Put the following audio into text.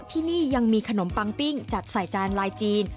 ที่นี่ยังมีขนมปังปิ้งจัดใส่จานลายจีน